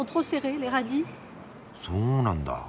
そうなんだ。